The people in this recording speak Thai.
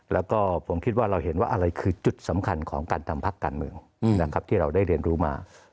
แล้วก็ผมคิดว่าเราเห็นว่าอะไรคือจุดสำคัญของการทำพักการเมืองนะครับที่เราได้เรียนรู้มา